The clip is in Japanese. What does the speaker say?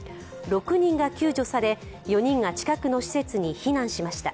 ６人が救助され４人が近くの施設に避難しました。